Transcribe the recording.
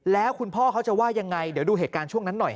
แล้วคุณพ่อเขาจะว่ายังไงเดี๋ยวดูเหตุการณ์ช่วงนั้นหน่อย